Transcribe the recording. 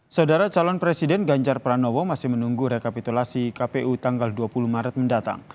saudara calon presiden ganjar pranowo masih menunggu rekapitulasi kpu tanggal dua puluh maret mendatang